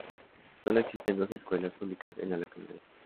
Sólo existen dos escuelas públicas en la localidad.